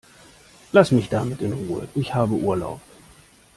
Lass mich damit in Ruhe, ich habe Urlaub!